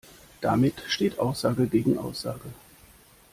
Damit steht Aussage gegen Aussage.